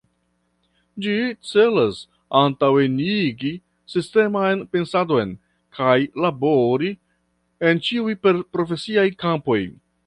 Ĝi celas antaŭenigi sisteman pensadon kaj labori en ĉiuj profesiaj kampoj.